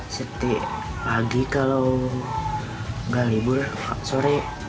setiap pagi kalau nggak libur sore